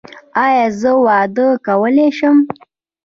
ایا زه واده کولی شم؟